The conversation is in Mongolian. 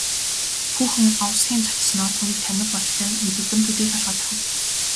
Хүүхэн овсхийн цочсоноо түүнийг танив бололтой мэдэгдэм төдий толгой дохив.